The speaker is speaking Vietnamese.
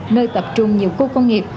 nơi tập trung nhiều khu công nghiệp